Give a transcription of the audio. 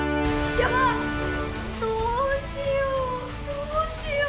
どうしよう。